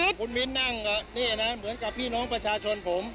คุณมิ้นนั่งนี่นะเหมือนกับพี่น้องประชาชนผม